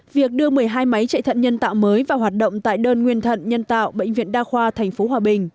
việc đưa một mươi hai máy chạy thận nhân tạo mới vào hoạt động tại đơn nguyên thận nhân tạo bệnh viện đa khoa tp hòa bình